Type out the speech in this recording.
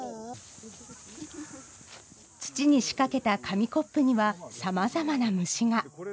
土にしかけた紙コップにはさまざまな虫が。